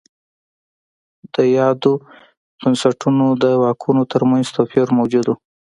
د یادو بنسټونو د واکونو ترمنځ توپیر موجود و.